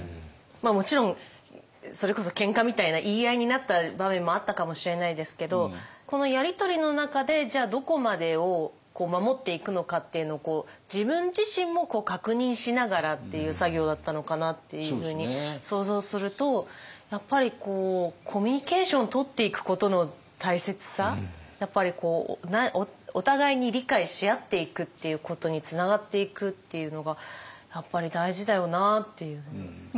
もちろんそれこそ喧嘩みたいな言い合いになった場面もあったかもしれないですけどこのやり取りの中でじゃあどこまでを守っていくのかっていうのを自分自身も確認しながらっていう作業だったのかなっていうふうに想像するとやっぱりやっぱりお互いに理解しあっていくっていうことにつながっていくっていうのがやっぱり大事だよなっていう。